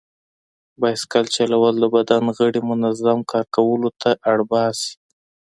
بایسکل چلول د بدن غړي منظم کار کولو ته اړ باسي.